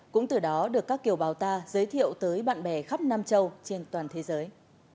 cũng từ đó được các kiều bào ta giới thiệu tới bạn bè khắp nam châu trên toàn thế giới